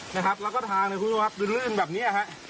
นะครับแล้วก็ทางเนี่ยคุณผู้ชมครับลื่นแบบนี้ฮะ